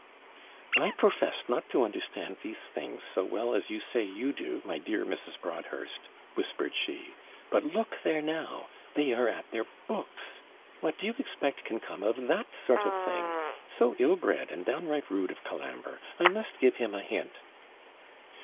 'I profess not to understand these things so well as you say you do, my dear Mrs. Broadhurst,' whispered she; 'but look there now; they are at their books! What do you expect can come of that sort of thing? So ill bred, and downright rude of Colambre, I must give him a hint.'